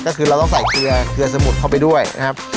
ก็คือเราต้องใส่เกลือเกลือสมุดเข้าไปด้วยนะครับ